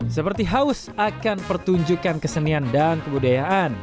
seperti haus akan pertunjukan kesenian dan kebudayaan